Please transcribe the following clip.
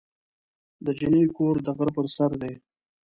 د جینۍ کور د غره په سر دی.